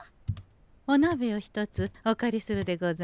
おなべを一つお借りするでござんすよ。